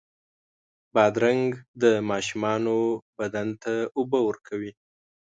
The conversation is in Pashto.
بادرنګ د ماشومانو بدن ته اوبه ورکوي.